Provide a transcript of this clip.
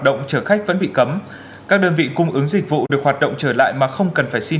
động chở khách vẫn bị cấm các đơn vị cung ứng dịch vụ được hoạt động trở lại mà không cần phải xin